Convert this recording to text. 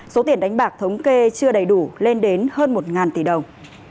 số tiền đánh bạc thống kê chưa đầy đủ lên đến hơn một tỷ đồng